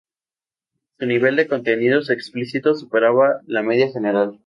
Su nivel de contenidos explícitos superaba la media general.